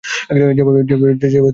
যেভাবে তুমি তোমার স্ত্রীকে কষ্ট দিচ্ছ?